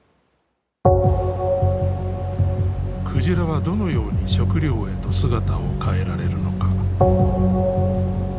鯨はどのように食料へと姿を変えられるのか。